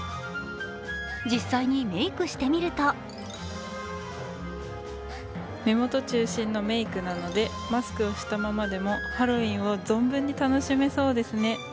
実際にメークしてみると目元中心のメークなのでマスクをしたままでもハロウィーンを存分に楽しめそうですね。